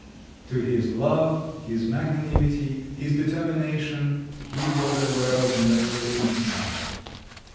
To his love, his magnanimity, his determination—he was aware of no limits now.